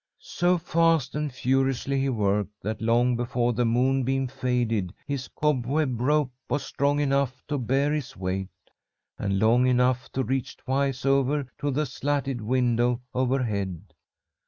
"So fast and furiously he worked that, long before the moonbeam faded, his cobweb rope was strong enough to bear his weight, and long enough to reach twice over to the slatted window overhead.